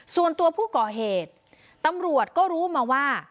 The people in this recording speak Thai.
ส่วนตัวผู้ก่อเหตุตำรวจก็รู้มาว่า